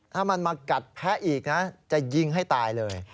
ถ้ามันมากัดแพะอีกนะจะยิงให้ตายเลย